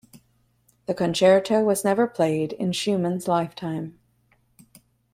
The concerto was never played in Schumann's lifetime.